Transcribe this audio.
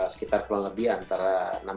sekitar kurang lebih antara